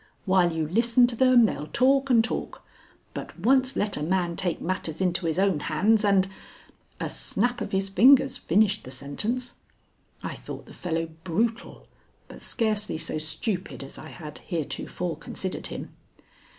While you listen to them they'll talk and talk; but once let a man take matters into his own hands and " A snap of his fingers finished the sentence. I thought the fellow brutal, but scarcely so stupid as I had heretofore considered him.